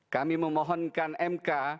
kami memohonkan mk